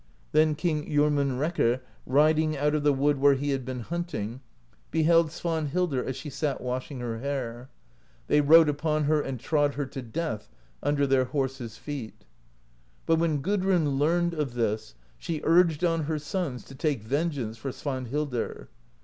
Then King Jormunrekkr, riding out of the wood where he had been hunting, beheld Svanhildr as she sat washing her hair: they rode upon her and trod her to death under their horses' feet. "But when Gudrun learned of this, she urged on her sons to take vengeance for Svanhildr.